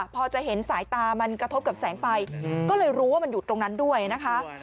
พอจะเห็นสายตามันกระทบกับแสงไฟก็เลยรู้ว่ามันอยู่ตรงนั้นด้วยนะคะ